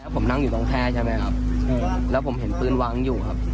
ผมนั่งอยู่ตรงแค่ใช่ไหมครับแล้วผมเห็นปืนวางอยู่ครับ